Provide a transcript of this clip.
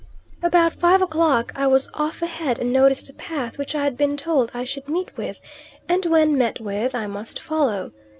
About five o'clock I was off ahead and noticed a path which I had been told I should meet with, and, when met with, I must follow.